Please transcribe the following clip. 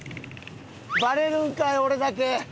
バレるんかい俺だけ。